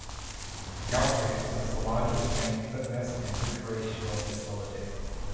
Dalplex is the largest main fitness and recreational facility.